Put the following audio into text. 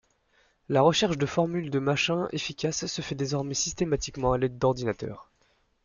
La recherche de formules de Machin efficaces se fait désormais systématiquement à l'aide d'ordinateurs.